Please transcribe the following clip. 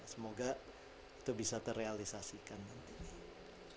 semoga itu bisa terrealisasikan nantinya